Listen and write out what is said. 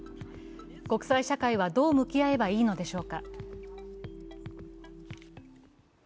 国際社会はどう向き合えばいいのでしょうか。